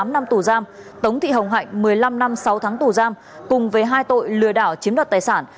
tám năm tù giam tống thị hồng hạnh một mươi năm năm sáu tháng tù giam cùng với hai tội lừa đảo chiếm đoạt tài sản